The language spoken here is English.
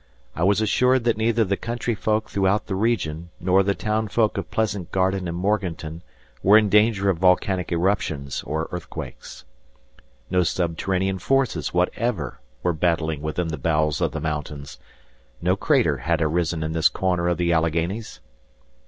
I was assured that neither the country folk throughout the region, nor the townfolk of Pleasant Garden and Morganton were in danger of volcanic eruptions or earthquakes. No subterranean forces whatever were battling within the bowels of the mountains. No crater had arisen in this corner of the Alleghanies.